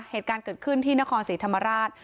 เหตุการณ์เกิดขึ้นที่นครศรีธรรมราช